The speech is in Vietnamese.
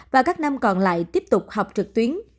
và các năm còn lại tiếp tục học trực tuyến